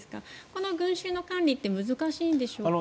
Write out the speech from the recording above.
この群衆の管理って難しいんでしょうか。